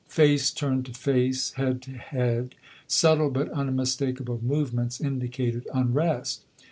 Face turned to face, head to head; subtle but unmistakable movements indicated unrest.